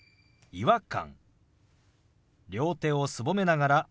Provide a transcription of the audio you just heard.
「違和感」。